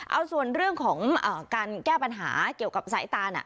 เอาส่วนเรื่องของการแก้ปัญหาเกี่ยวกับสายตาน่ะ